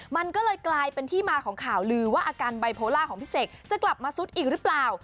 มันก็เลยกลายเป็นที่มาของข่าวลือว่าอาการไบโพล่าของพี่เสกจะกลับมาซุดอีกหรือเปล่า